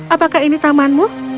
apakah ini tamanmu